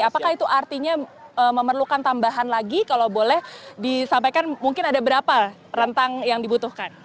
apakah itu artinya memerlukan tambahan lagi kalau boleh disampaikan mungkin ada berapa rentang yang dibutuhkan